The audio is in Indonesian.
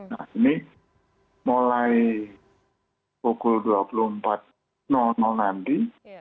nah ini mulai pukul dua puluh empat nanti